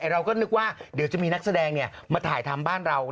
เราก็นึกว่าเดี๋ยวจะมีนักแสดงมาถ่ายทำบ้านเรา